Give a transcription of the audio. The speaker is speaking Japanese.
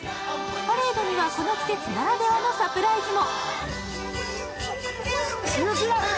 パレードには、この季節ならではのサプライズも。